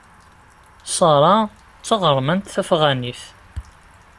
Sarah d taɣermant tafɣanit.